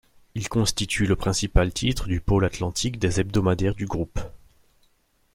Il constitue le principal titre du pôle Atlantique des hebdomadaires du groupe.